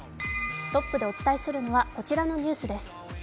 トップでお伝えするのは、こちらのニュースです。